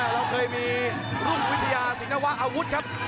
เราเคยมีรุ่งวิทยาศิลวะอาวุธครับ